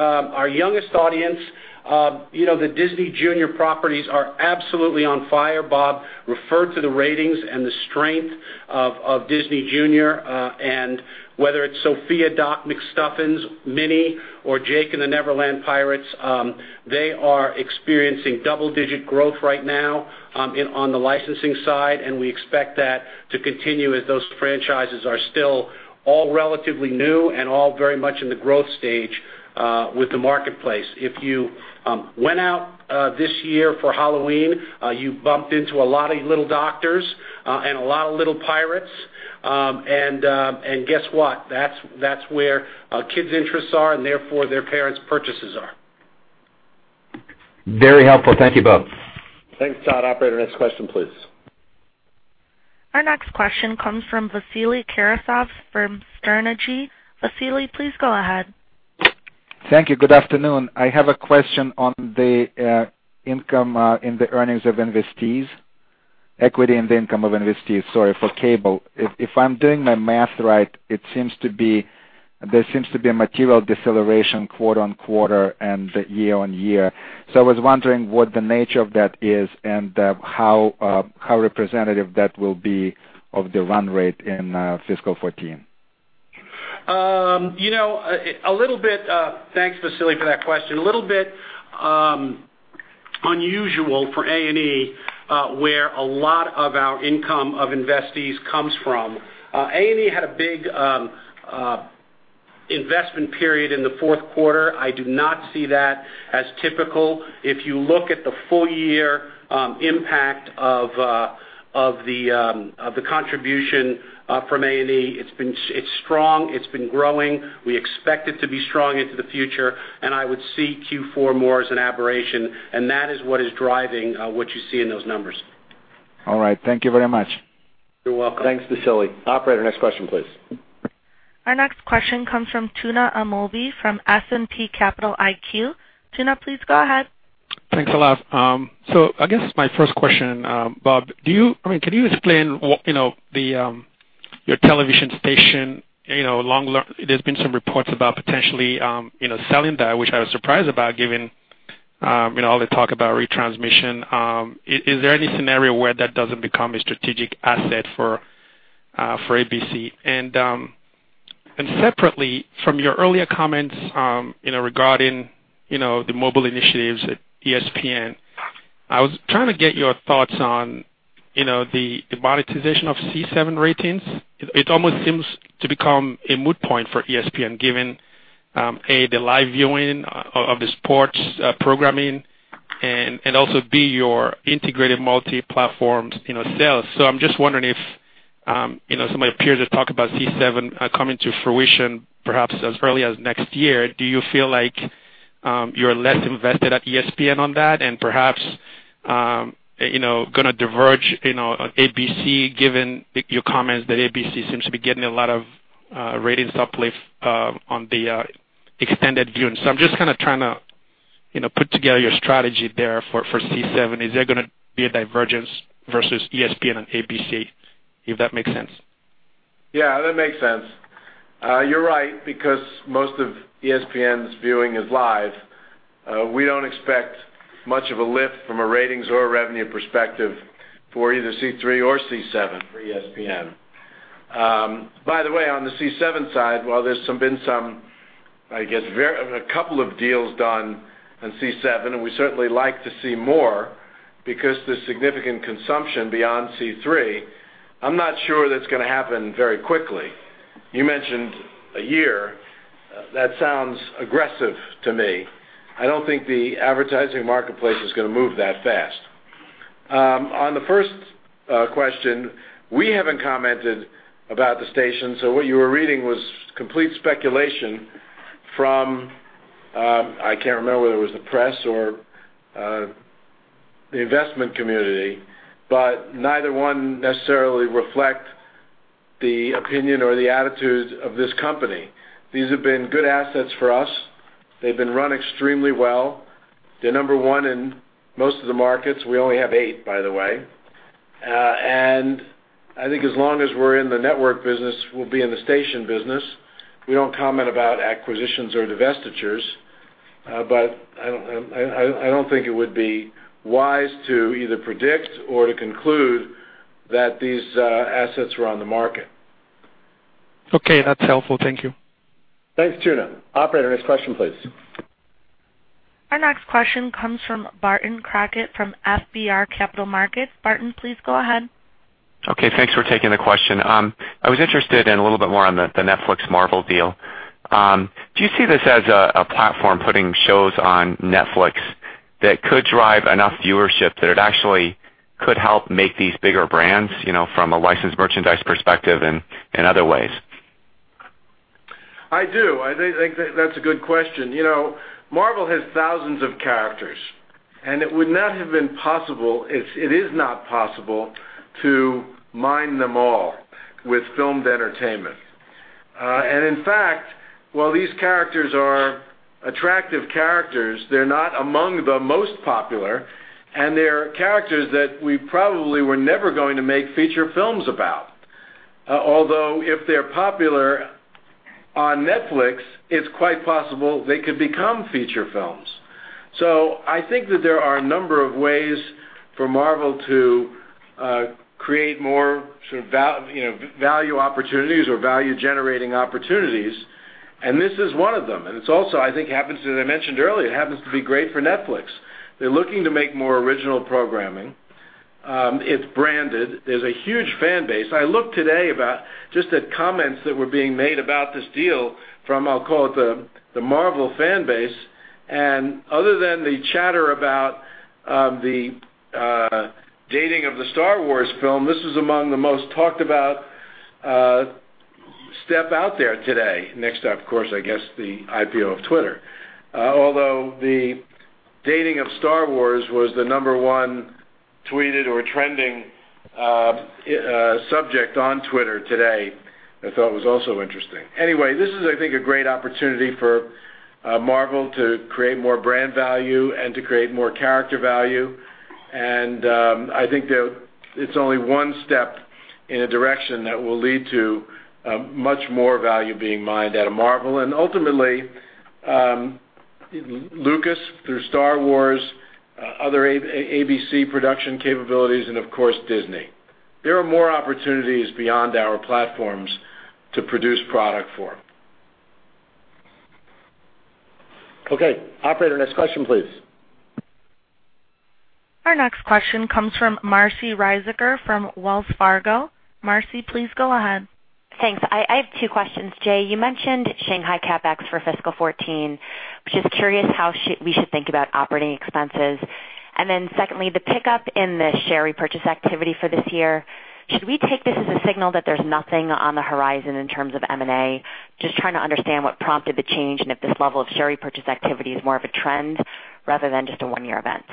audience, the Disney Junior properties are absolutely on fire. Bob referred to the ratings and the strength of Disney Junior. Whether it's Sofia, Doc McStuffins, Minnie, or Jake and the Never Land Pirates, they are experiencing double-digit growth right now on the licensing side, and we expect that to continue as those franchises are still all relatively new and all very much in the growth stage with the marketplace. If you went out this year for Halloween, you bumped into a lot of little doctors and a lot of little pirates. Guess what? That's where kids' interests are, and therefore their parents' purchases are. Very helpful. Thank you both. Thanks, Todd. Operator, next question, please. Our next question comes from Vasily Karasyov from Sterne Agee. Vasily, please go ahead. Thank you. Good afternoon. I have a question on the income in the earnings of investees. Equity in the income of investees, sorry, for cable. If I'm doing my math right, there seems to be a material deceleration quarter-over-quarter and year-over-year. I was wondering what the nature of that is and how representative that will be of the run rate in fiscal 2014. Thanks, Vasily, for that question. A little bit unusual for A&E, where a lot of our income of investees comes from. A&E had a big investment period in the fourth quarter. I do not see that as typical. If you look at the full year impact of the contribution from A&E, it's strong. It's been growing. We expect it to be strong into the future, and I would see Q4 more as an aberration, and that is what is driving what you see in those numbers. All right. Thank you very much. You're welcome. Thanks, Vasily. Operator, next question, please. Our next question comes from Tuna Amobi from S&P Capital IQ. Tuna, please go ahead. Thanks a lot. I guess my first question, Bob, can you explain your television station? There's been some reports about potentially selling that, which I was surprised about given all the talk about retransmission, is there any scenario where that doesn't become a strategic asset for ABC? Separately, from your earlier comments regarding the mobile initiatives at ESPN, I was trying to get your thoughts on the monetization of C7 ratings. It almost seems to become a moot point for ESPN, given A, the live viewing of the sports programming and also B, your integrated multi-platform sales. I'm just wondering if some of my peers are talking about C7 coming to fruition perhaps as early as next year. Do you feel like you're less invested at ESPN on that and perhaps going to diverge on ABC, given your comments that ABC seems to be getting a lot of ratings uplift on the extended viewing. I'm just trying to put together your strategy there for C7. Is there going to be a divergence versus ESPN and ABC, if that makes sense? That makes sense. You're right, because most of ESPN's viewing is live, we don't expect much of a lift from a ratings or a revenue perspective for either C3 or C7 for ESPN. By the way, on the C7 side, while there's been a couple of deals done on C7, and we certainly like to see more, because there's significant consumption beyond C3, I'm not sure that's going to happen very quickly. You mentioned a year. That sounds aggressive to me. I don't think the advertising marketplace is going to move that fast. On the first question, we haven't commented about the station, what you were reading was complete speculation from, I can't remember whether it was the press or the investment community, but neither one necessarily reflect the opinion or the attitude of this company. These have been good assets for us. They've been run extremely well. They're number one in most of the markets. We only have eight, by the way. I think as long as we're in the network business, we'll be in the station business. We don't comment about acquisitions or divestitures. I don't think it would be wise to either predict or to conclude that these assets were on the market. Okay, that's helpful. Thank you. Thanks, Tuna. Operator, next question, please. Our next question comes from Barton Crockett from FBR Capital Markets. Barton, please go ahead. Okay, thanks for taking the question. I was interested in a little bit more on the Netflix Marvel deal. Do you see this as a platform putting shows on Netflix that could drive enough viewership that it actually could help make these bigger brands from a licensed merchandise perspective and other ways? I do. I think that's a good question. Marvel has thousands of characters, and it would not have been possible, it is not possible to mine them all with filmed entertainment. In fact, while these characters are attractive characters, they're not among the most popular, and they're characters that we probably were never going to make feature films about. Although if they're popular on Netflix, it's quite possible they could become feature films. I think that there are a number of ways for Marvel to create more value opportunities or value-generating opportunities, and this is one of them. It also, I think as I mentioned earlier, it happens to be great for Netflix. They're looking to make more original programming. It's branded. There's a huge fan base. I looked today about just the comments that were being made about this deal from, I'll call it, the Marvel fan base, and other than the chatter about the dating of the Star Wars film, this was among the most talked about step out there today, next to, of course, I guess, the IPO of Twitter. Although the dating of Star Wars was the number one tweeted or trending subject on Twitter today, I thought was also interesting. This is, I think, a great opportunity for Marvel to create more brand value and to create more character value. I think that it's only one step in a direction that will lead to much more value being mined out of Marvel, and ultimately, Lucas through Star Wars, other ABC production capabilities, and of course, Disney. There are more opportunities beyond our platforms to produce product for. Okay, operator, next question, please. Our next question comes from Marci Ryvicker from Wells Fargo. Marci, please go ahead. Thanks. I have two questions. Jay, you mentioned Shanghai CapEx for fiscal 2014. Just curious how we should think about operating expenses. Secondly, the pickup in the share repurchase activity for this year, should we take this as a signal that there's nothing on the horizon in terms of M&A? Just trying to understand what prompted the change and if this level of share repurchase activity is more of a trend rather than just a one-year event.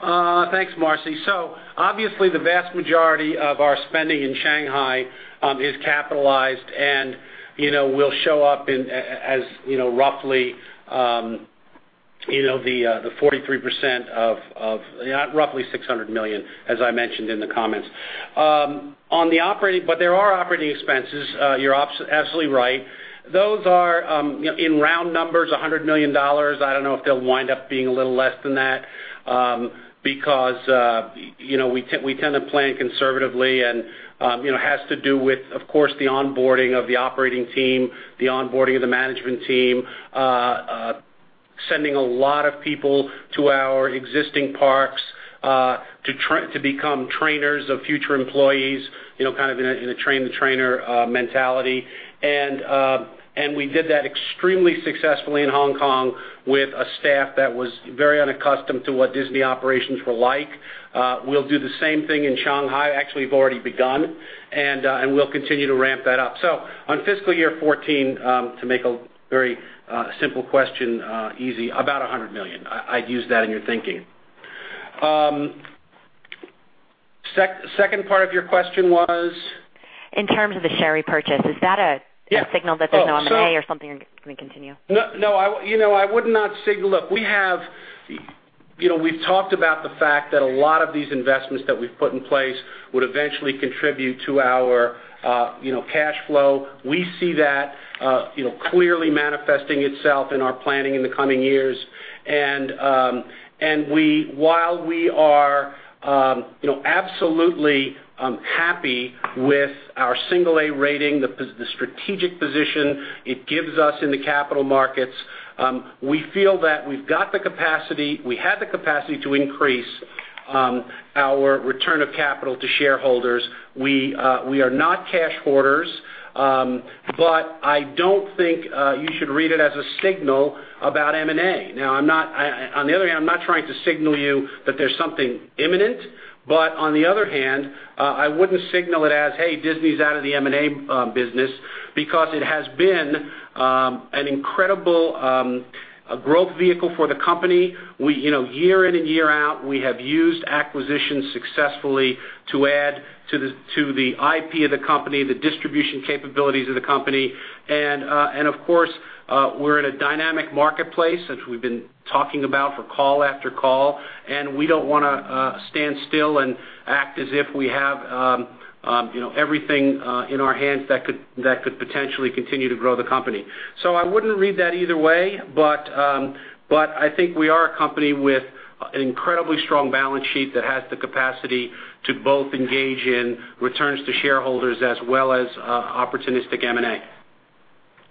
Thanks. Thanks, Marci. Obviously the vast majority of our spending in Shanghai is capitalized and will show up as roughly The 43% of roughly $600 million, as I mentioned in the comments. There are operating expenses, you're absolutely right. Those are, in round numbers, $100 million. I don't know if they'll wind up being a little less than that. We tend to plan conservatively and has to do with, of course, the onboarding of the operating team, the onboarding of the management team, sending a lot of people to our existing parks to become trainers of future employees, kind of in a train the trainer mentality. We did that extremely successfully in Hong Kong with a staff that was very unaccustomed to what Disney operations were like. We'll do the same thing in Shanghai. Actually, we've already begun, and we'll continue to ramp that up. On fiscal year 2014, to make a very simple question easy, about $100 million. I'd use that in your thinking. Second part of your question was? In terms of the share repurchase, is that? Yeah signal that there's no M&A or something going to continue? No. Look, we've talked about the fact that a lot of these investments that we've put in place would eventually contribute to our cash flow. We see that clearly manifesting itself in our planning in the coming years. While we are absolutely happy with our single A rating, the strategic position it gives us in the capital markets, we feel that we've got the capacity, we have the capacity to increase our return of capital to shareholders. We are not cash hoarders. I don't think you should read it as a signal about M&A. Now, on the other hand, I'm not trying to signal you that there's something imminent. On the other hand, I wouldn't signal it as, "Hey, Disney's out of the M&A business," because it has been an incredible growth vehicle for the company. Year in and year out, we have used acquisitions successfully to add to the IP of the company, the distribution capabilities of the company. Of course, we're in a dynamic marketplace, as we've been talking about for call after call. We don't want to stand still and act as if we have everything in our hands that could potentially continue to grow the company. I wouldn't read that either way, I think we are a company with an incredibly strong balance sheet that has the capacity to both engage in returns to shareholders as well as opportunistic M&A.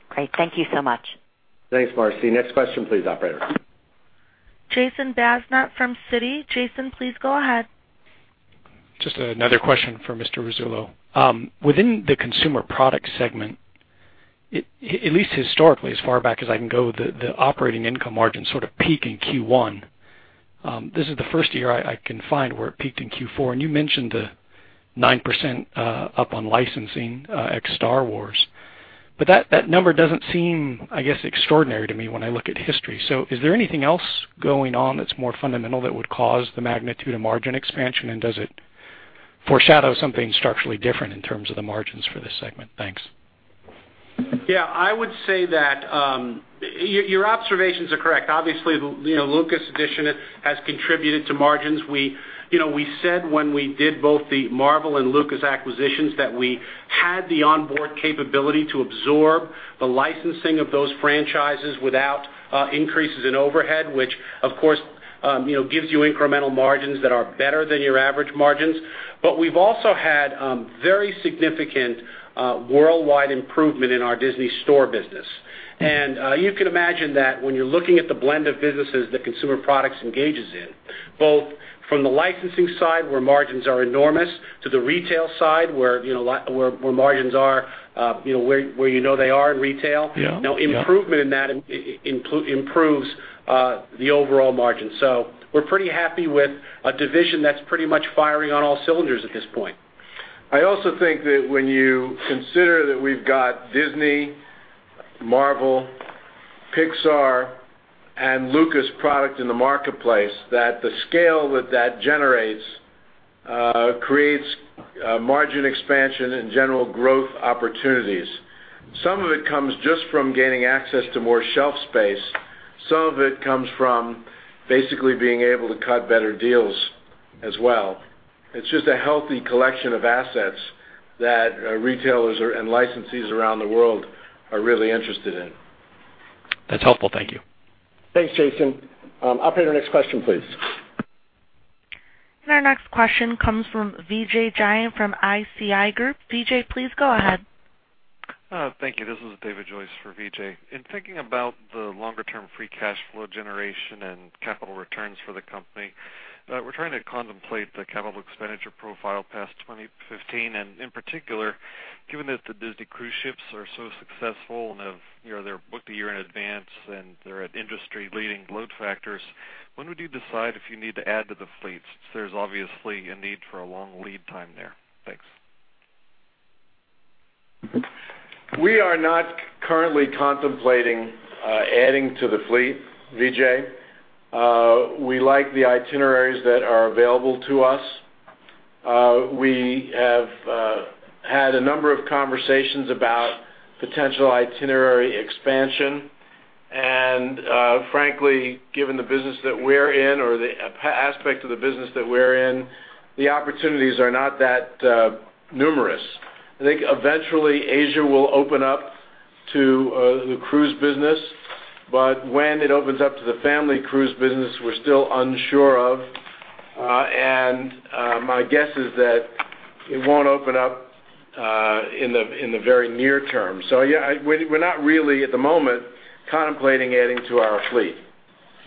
Great. Thank you so much. Thanks, Marci. Next question, please, operator. Jason Bazinet from Citi. Jason, please go ahead. Just another question for Mr. Rasulo. Within the consumer products segment, at least historically, as far back as I can go, the operating income margins sort of peak in Q1. This is the first year I can find where it peaked in Q4, and you mentioned the 9% up on licensing ex-Star Wars. That number doesn't seem extraordinary to me when I look at history. Is there anything else going on that's more fundamental that would cause the magnitude of margin expansion, and does it foreshadow something structurally different in terms of the margins for this segment? Thanks. I would say that your observations are correct. Obviously, Lucas addition has contributed to margins. We said when we did both the Marvel and Lucas acquisitions that we had the onboard capability to absorb the licensing of those franchises without increases in overhead, which of course gives you incremental margins that are better than your average margins. We've also had very significant worldwide improvement in our Disney Store business. You can imagine that when you're looking at the blend of businesses that consumer products engages in, both from the licensing side, where margins are enormous, to the retail side, where you know they are in retail- Yeah improvement in that improves the overall margin. We're pretty happy with a division that's pretty much firing on all cylinders at this point. I also think that when you consider that we've got Disney, Marvel, Pixar, and Lucas product in the marketplace, that the scale that that generates creates margin expansion and general growth opportunities. Some of it comes just from gaining access to more shelf space. Some of it comes from basically being able to cut better deals as well. It's just a healthy collection of assets that retailers and licensees around the world are really interested in. That's helpful. Thank you. Thanks, Jason. Operator, next question, please. Our next question comes from Vijay Jayant from ISI Group. Vijay, please go ahead. Thank you. This is David Joyce for Vijay. In thinking about the longer-term free cash flow generation and capital returns for the company, we're trying to contemplate the capital expenditure profile past 2015, and in particular, given that the Disney cruise ships are so successful, and they're booked a year in advance, and they're at industry-leading load factors, when would you decide if you need to add to the fleet? Since there's obviously a need for a long lead time there. Thanks. We are not currently contemplating adding to the fleet, Vijay. We like the itineraries that are available to us. We had a number of conversations about potential itinerary expansion, frankly, given the business that we're in, or the aspect of the business that we're in, the opportunities are not that numerous. I think eventually Asia will open up to the cruise business, when it opens up to the family cruise business, we're still unsure of. My guess is that it won't open up in the very near term. Yeah, we're not really, at the moment, contemplating adding to our fleet.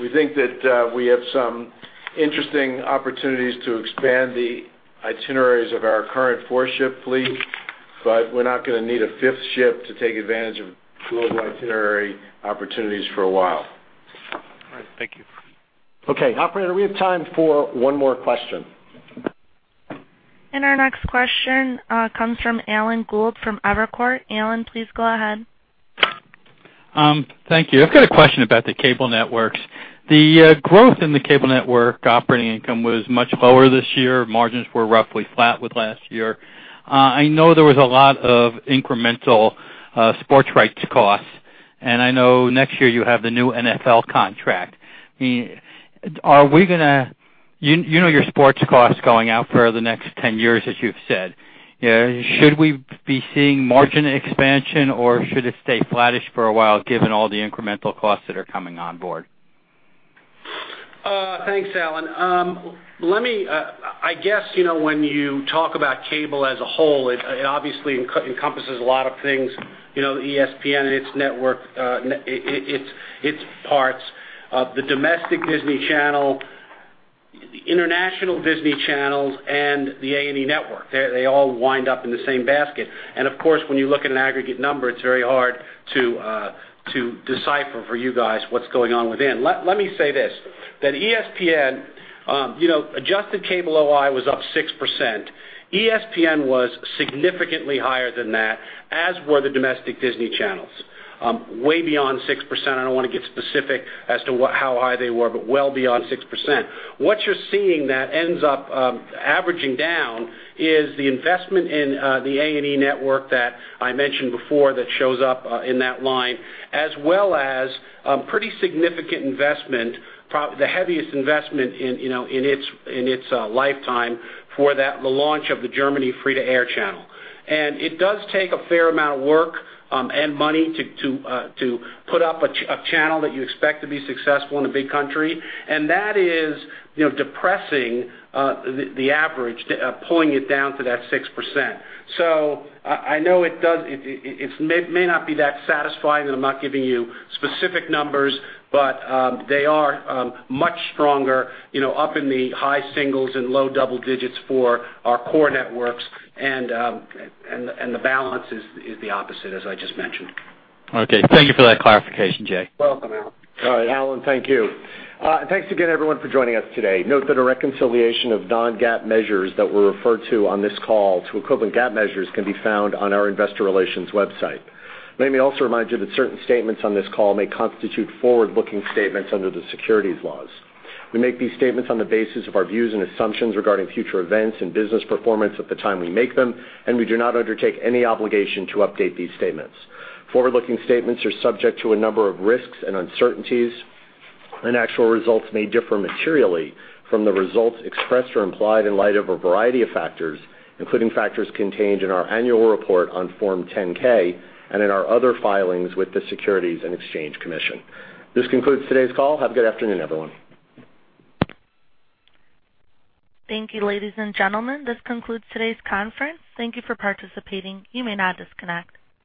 We think that we have some interesting opportunities to expand the itineraries of our current four-ship fleet, but we're not going to need a fifth ship to take advantage of global itinerary opportunities for a while. All right. Thank you. Okay, operator, we have time for one more question. Our next question comes from Alan Gould from Evercore. Alan, please go ahead. Thank you. I've got a question about the cable networks. The growth in the cable network operating income was much lower this year. Margins were roughly flat with last year. I know there was a lot of incremental sports rights costs. I know next year you have the new NFL contract. You know your sports cost going out for the next 10 years, as you've said. Should we be seeing margin expansion, or should it stay flattish for a while, given all the incremental costs that are coming on board? Thanks, Alan. I guess, when you talk about cable as a whole, it obviously encompasses a lot of things. ESPN and its parts, the domestic Disney Channel, the international Disney Channels, and the A&E Network. They all wind up in the same basket. Of course, when you look at an aggregate number, it's very hard to decipher for you guys what's going on within. Let me say this, that adjusted cable OI was up 6%. ESPN was significantly higher than that, as were the domestic Disney Channels. Way beyond 6%. I don't want to get specific as to how high they were, but well beyond 6%. What you're seeing that ends up averaging down is the investment in the A&E Network that I mentioned before that shows up in that line, as well as pretty significant investment, the heaviest investment in its lifetime for the launch of the Germany free-to-air channel. It does take a fair amount of work and money to put up a channel that you expect to be successful in a big country. That is depressing the average, pulling it down to that 6%. I know it may not be that satisfying, and I'm not giving you specific numbers, but they are much stronger, up in the high singles and low double digits for our core networks, and the balance is the opposite, as I just mentioned. Okay. Thank you for that clarification, Jay. Welcome, Alan. All right, Alan. Thank you. Thanks again, everyone, for joining us today. Note that a reconciliation of non-GAAP measures that were referred to on this call to equivalent GAAP measures can be found on our investor relations website. Let me also remind you that certain statements on this call may constitute forward-looking statements under the securities laws. We make these statements on the basis of our views and assumptions regarding future events and business performance at the time we make them, and we do not undertake any obligation to update these statements. Forward-looking statements are subject to a number of risks and uncertainties, and actual results may differ materially from the results expressed or implied in light of a variety of factors, including factors contained in our annual report on Form 10-K and in our other filings with the Securities and Exchange Commission. This concludes today's call. Have a good afternoon, everyone. Thank you, ladies and gentlemen. This concludes today's conference. Thank you for participating. You may now disconnect.